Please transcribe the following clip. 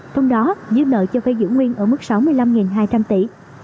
trong đó giữ nợ cho phê giữ nguyên ở mức sáu mươi năm hai trăm linh tỷ